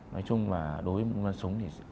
nói chung đối với môn bắn súng